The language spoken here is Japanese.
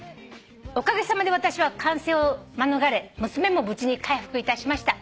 「おかげさまで私は感染を免れ娘も無事に回復いたしました」